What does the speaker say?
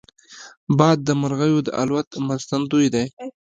باد د مرغیو د الوت مرستندوی دی